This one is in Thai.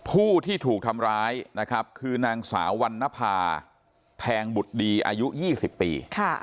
ผู้ที่ถูกทำร้ายนะครับคือนางสาววันนภาแพงบุตรดีอายุ๒๐ปี